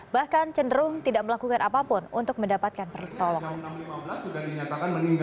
bahkan cenderung tidak melakukan apapun untuk mendapatkan pertolongan